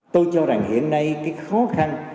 tôi cho rằng hiện nay cái khó khăn